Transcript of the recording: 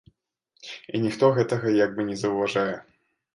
І ніхто гэтага як бы не заўважае.